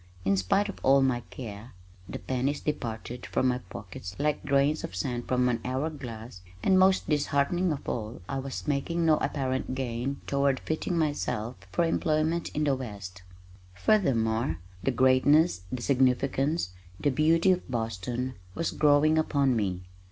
In spite of all my care, the pennies departed from my pockets like grains of sand from an hour glass and most disheartening of all I was making no apparent gain toward fitting myself for employment in the west. Furthermore, the greatness, the significance, the beauty of Boston was growing upon me.